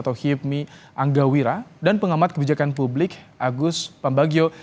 atau hipmi angga wira dan pengamat kebijakan publik agus pambagio